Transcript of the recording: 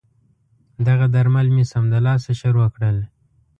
دغه درمل مې سمدلاسه شروع کړل.